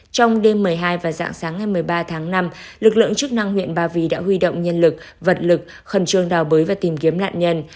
trong đêm một mươi hai và dạng sáng ngày một mươi ba tháng năm lực lượng chức năng huyện ba vì đã huy động nhân lực vật lực khẩn trương đào bới và tìm kiếm nạn nhân